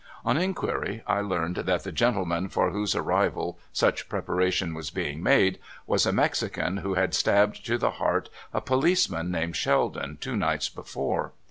On inquir}^, I learned that the gentleman for whose arrival such preparation was being made was a Mexican who had stabbed to the heart a policeman named Sheldon two nights before.